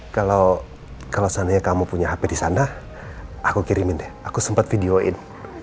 kalau seandainya kamu punya hp di sana aku kirimin deh aku sempat videoin